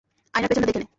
আয়নায় পেছনটা দেখে নে!